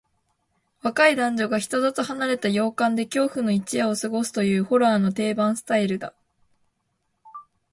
若い男女が人里離れた洋館で恐怖の一夜を過ごすという、ホラーの定番スタイルだ。